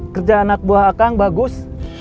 kerja anak buah akang bagus